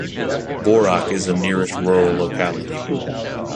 Borok is the nearest rural locality.